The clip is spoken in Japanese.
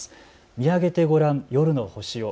見上げてごらん夜の星を。